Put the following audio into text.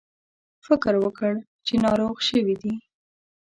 فکر وکړ چې ناروغ شوي دي.